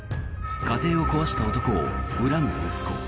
家庭を壊した男を恨む息子。